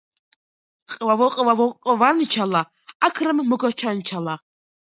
.ყვავო, ყვავო, ყვანჩალა, აქ რამ მოგაჩანჩალა?